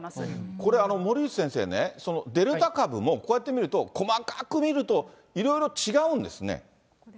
これ、森内先生ね、デルタ株も、こうやって見ると、細かく見ると、いろいろ違うんですね。